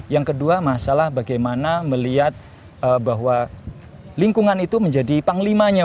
yang kedua masalah bagaimana melihat bahwa lingkungan itu menjadi panglimanya